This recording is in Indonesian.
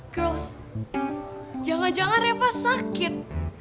girls jangan jangan reva sakit